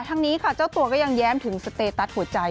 ทั้งนี้ค่ะเจ้าตัวก็ยังแย้มถึงสเตตัสหัวใจ